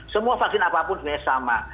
semua vaksin apapun sebenarnya sama